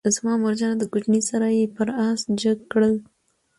زما مورجانه دکوچنی سره یې پر آس جګ کړل،